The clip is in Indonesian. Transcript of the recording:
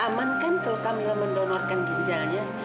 aman kan kalau kamila mendonorkan ginjalnya